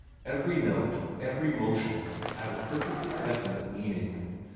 Every note, every motion had a perfectly definite meaning.